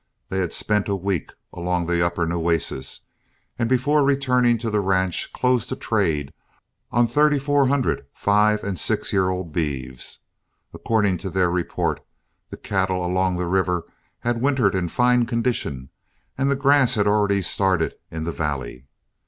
They had spent a week along the Upper Nueces, and before returning to the ranch closed a trade on thirty four hundred five and six year old beeves. According to their report, the cattle along the river had wintered in fine condition, and the grass had already started in the valley.